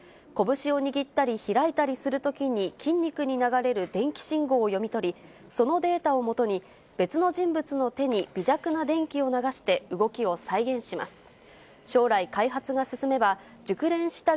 拳を握ったり開いたりするときに筋肉に流れる電気信号を読み取り、そのデータを基に、別の人物の手に微弱な電気を流して、動きを再現します。